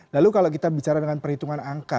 lalu kalau kita bicara dengan perhitungan angka